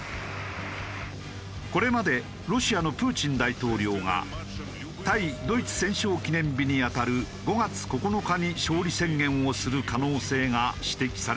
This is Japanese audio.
これまでロシアのプーチン大統領が対ドイツ戦勝記念日にあたる５月９日に勝利宣言をする可能性が指摘されてきた。